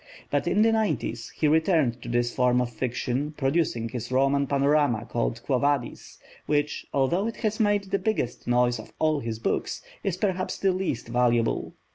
But in the nineties he returned to this form of fiction, producing his Roman panorama called Quo Vadis, which, although it has made the biggest noise of all his books, is perhaps the least valuable.